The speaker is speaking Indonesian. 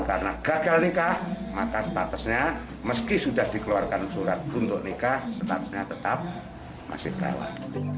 karena gagal nikah maka statusnya meski sudah dikeluarkan surat untuk nikah statusnya tetap masih perawan